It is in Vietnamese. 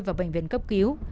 vào bệnh viện cấp cứu